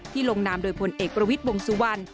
ที่ลงนามโดยพลเอกประวิษฐ์วงศ์สุวรรณ